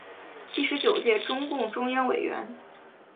第十九届中共中央委员。